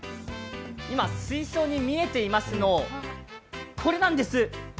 今水槽に見えています、これなんです。